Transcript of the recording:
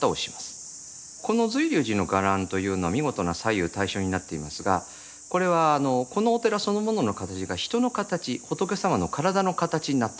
この瑞龍寺の伽藍というのは見事な左右対称になっていますがこれはこのお寺そのものの形が人の形仏様の体の形になってるってことです。